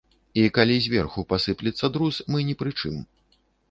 І калі зверху пасыплецца друз, мы ні пры чым.